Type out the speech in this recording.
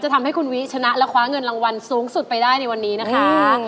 ทำให้คุณวิชนะและคว้าเงินรางวัลสูงสุดไปได้ในวันนี้นะคะ